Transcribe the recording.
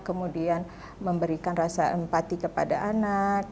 kemudian memberikan rasa empati kepada anak